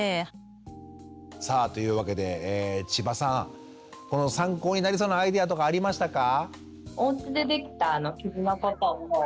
さあというわけで千葉さん参考になりそうなアイデアとかありましたか？